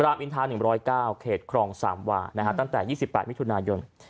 รามอินทาหนึ่งร้อยเก้าเขตครองสามวานะฮะตั้งแต่ยี่สิบแปดมิถุนายน